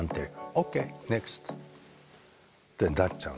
「ＯＫネクスト」ってなっちゃうんですよね。